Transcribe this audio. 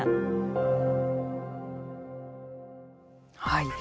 はい。